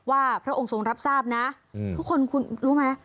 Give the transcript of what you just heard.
พระองค์ทรงรับทราบนะทุกคนคุณรู้ไหม